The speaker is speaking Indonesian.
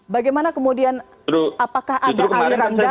bagaimana kemudian apakah ada aliran dana atau ada pihak pihak lain